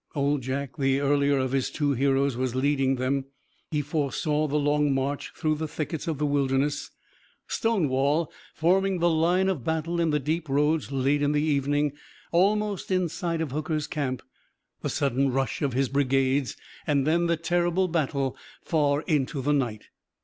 Old Jack, the earlier of his two heroes, was leading them. He foresaw the long march through the thickets of the Wilderness, Stonewall forming the line of battle in the deep roads late in the evening, almost in sight of Hooker's camp, the sudden rush of his brigades and then the terrible battle far into the night.